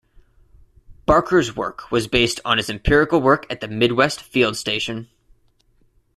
Barker's work was based on his empirical work at the Midwest Field Station.